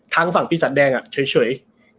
ทางฝั่งพี่สัตห์แดงอ่ะฉันอยากพยายาม